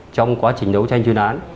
trong quá trình đấu tranh chuyên án